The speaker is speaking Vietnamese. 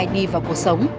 đi vào cuộc sống